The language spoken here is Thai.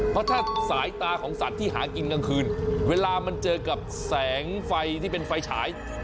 เพราะถ้าสายตาของสัตว์ที่หากินกลางคืนเวลามันเจอกับแสงไฟที่เป็นไฟฉาย